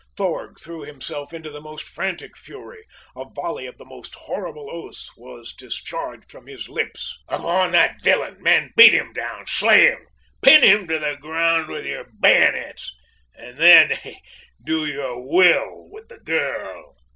Thorg threw himself into the most frantic fury a volley of the most horrible oaths was discharged from his lips. "Upon that villain, men! Beat him down! Slay him! Pin him to the ground with your bayonets! And then! do your will with the girl!"